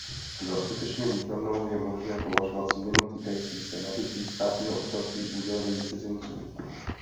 Za skutečně významnou je možné považovat změnu týkající se nabytí státního občanství udělením cizincům.